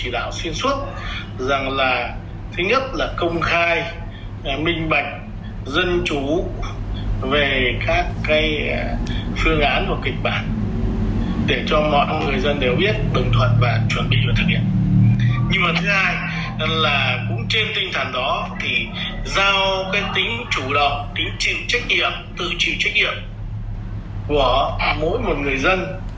do cái tính chủ động tính chịu trách nhiệm tự chịu trách nhiệm của mỗi một người dân